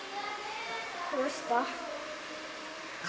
どうした？